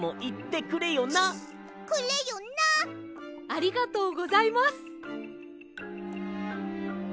ありがとうございます。